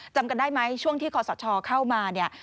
จำกันได้ไหมช่วงที่คอสชเข้ามาเนี่ย